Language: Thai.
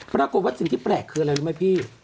ปรากฏว่าสิ่งที่แปลกคืออะไรรู้ไหมพี่